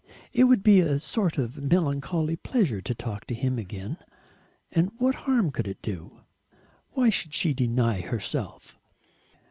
It would be a sort of melancholy pleasure to talk to him again, and what harm could it do? Why should she deny herself?